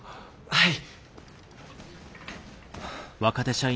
はい。